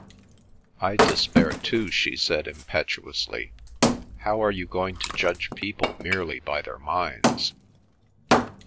"I despair too," she said impetuously. "How are you going to judge people merely by their minds?"